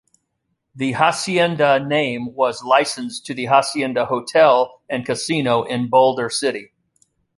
The Hacienda name was licensed to the Hacienda Hotel and Casino in Boulder City.